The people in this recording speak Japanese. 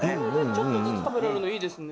ちょっとずつ食べれるのいいですね。